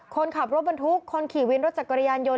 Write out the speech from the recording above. คนขับรถบันทุกข์ควรขี่วิรถจักรยานยด